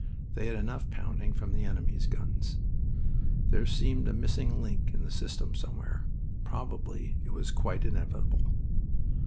They had enough pounding from the enemy's guns. There seemed a missing link in the system somewhere. Probably it was quite inevitable.